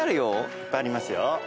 いっぱいありますよ。